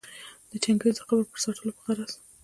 د چنګیز د قبر د پټ ساتلو په غرض